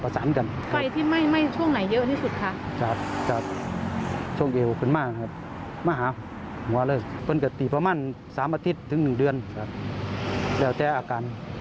ส่งถึง๓สัปดาห์ค่ะ